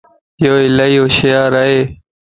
ايو الائي ھوشيار ائي